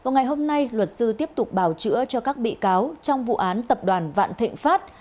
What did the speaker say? ngày hôm nay luật sư tiếp tục bảo chữa cho các bị cáo trong vụ án tập đoàn vạn thịnh pháp